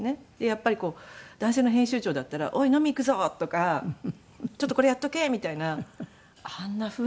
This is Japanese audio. やっぱり男性の編集長だったら「おい飲み行くぞ」とか「ちょっとこれやっとけ」みたいなあんなふうにはできないなと思っていて。